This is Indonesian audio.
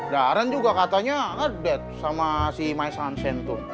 daran juga katanya ngedate sama si my sansen tuh